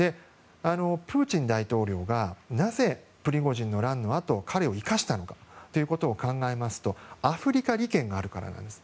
プーチン大統領がなぜプリゴジンの乱のあと彼を生かしたのかということを考えますとアフリカ利権があるからなんです。